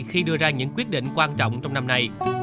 khi đưa ra những quyết định quan trọng trong năm nay